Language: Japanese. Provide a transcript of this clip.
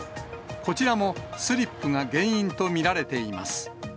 こちらもスリップが原因と見られています。